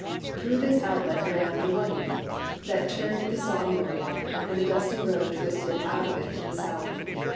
Through this outlet ran the Whunny, that turned the sawmill wheel, and a dusty road twisted out of it to the south.